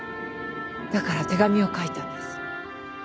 だから手紙を書いたんです。